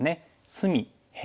隅辺